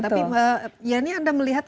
tapi yeni anda melihat